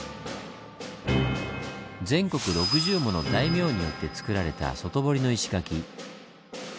全国６０もの大名によってつくられた外堀の石垣。